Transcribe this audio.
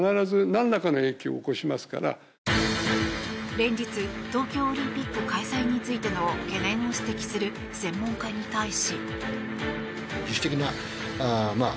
連日東京オリンピック開催についての懸念を指摘する専門家に対し。